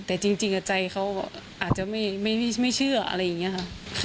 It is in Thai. แต่จริงใจเขาอาจจะไม่เชื่ออะไรอย่างนี้ค่ะ